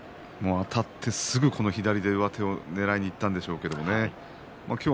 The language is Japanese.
あたって上手をねらいにいったんでしょうけどねすぐに。